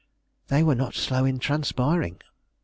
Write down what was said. They were not slow in transpiring.